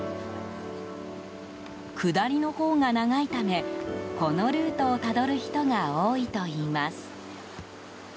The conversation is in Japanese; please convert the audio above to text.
下りのほうが長いためこのルートをたどる人が多いといいます。